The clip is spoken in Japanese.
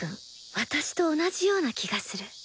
私と同じような気がする。